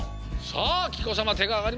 さあきこさまてがあがりました。